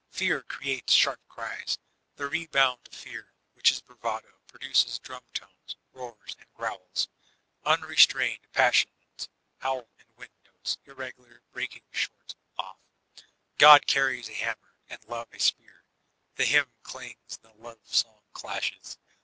Fear creates sharp cries ; the rebound of Fear, whidi is Bravado, produces drum tones, roars, and growls ; un restrained Passions howl in wind notes, irregular, break ing short off. God carries a hammer, and Love a spear. The hymn clangs, and the love song clashes.